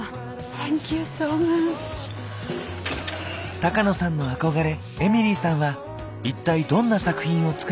高野さんの憧れエミリーさんは一体どんな作品を作るのか。